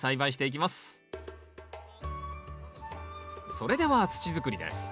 それでは土づくりです。